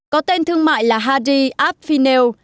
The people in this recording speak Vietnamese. có tên thương mại là hadi afineo